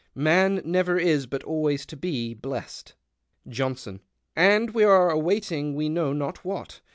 ' Man never is, but always to be, blest.' " Johnson. —" And \\v arc awaiting wc know not what.